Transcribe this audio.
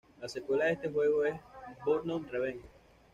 La secuela de este juego es Burnout Revenge.